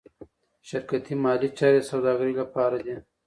شرکتي مالي چارې د سوداګرۍ لپاره دي.